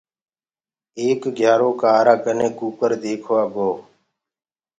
ايڪ گھيآرو ڪآرآ ڪني ڪٚڪَر ديکوآ گو۔